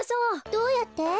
どうやって？